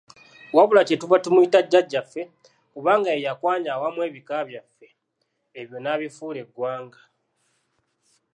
wabula kyetuva tumuyita jjajjaffe, kubanga ye yakwanya awamu ebika byaffe, ebyo n'abifuula eggwanga.